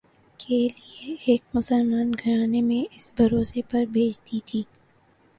کے لئے ایک مسلمان گھرانے میں اِس بھروسے پر بھیج دی تھی